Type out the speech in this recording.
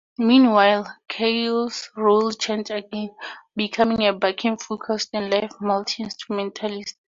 Meanwhile, Keo's role changed again, becoming a backing vocalist and live multi-instrumentalist.